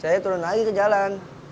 saya turun lagi ke jalan